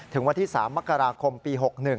ถึงวันที่๓มกราคมปี๖๑